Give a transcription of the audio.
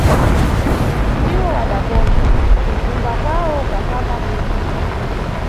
Iwo wadakondwa, kuzunga kwawo kwafamba bwino.